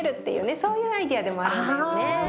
そういうアイデアでもあるんだよね。